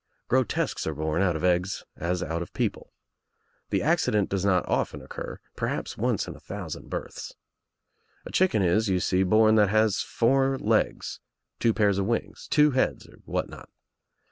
Grotesques are born dut of eggs as ^ijt of people. The accident does not often occur — perhaps once in a thousand births. A chicken is, you see, born that has four legs, two pairs of wings, two heads or what not.